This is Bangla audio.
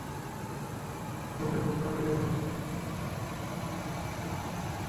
তবে সবকিছু ঠিকঠাক থাকলে খুব তাড়াতাড়িই নাপোলির গঞ্জালো হিগুয়েইন হয়ে যাচ্ছেন জুভেন্টাসের।